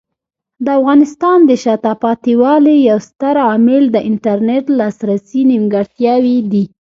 د افغانستان د شاته پاتې والي یو ستر عامل د انټرنیټ لاسرسي نیمګړتیاوې دي.